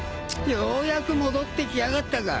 ようやく戻ってきやがったか！